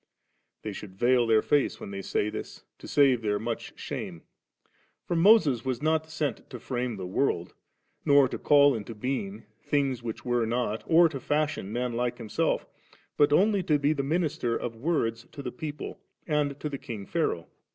They should veil their face when they say this, to save their much shame. For Moses was not sent to fi:ame the world, nor to call into being things which were not, or to feishion men like himself but only to be the minister of words to the people, and to King Pharaoh.